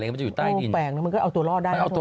มันก็เอาตัวล่อได้